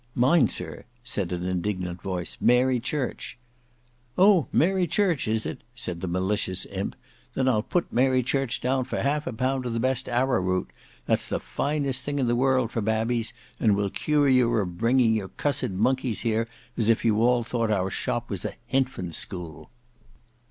"Mine, sir," said an indignant voice; "Mary Church." "Oh! Mary Church, is it!" said the malicious imp, "then I'll put Mary Church down for half a pound of best arrow root; that's the finest thing in the world for babbies, and will cure you of bringing your cussed monkeys here, as if you all thought our shop was a hinfant school.